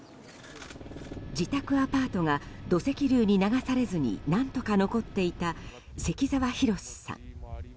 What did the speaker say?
自宅アパートが土石流に流されずに何とか残っていた関澤浩さん。